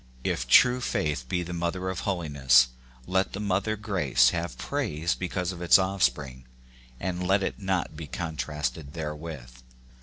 If true faith be the mother of holiness, let the mother grace have praise because of its offspring, and let it not be contrasted therewith.